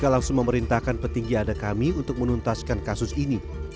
ojek alamakunis memperintahkan petinggi anak kami untuk menuntaskan kasus ini